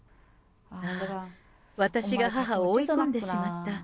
ああ、私が母を追い込んでしまった。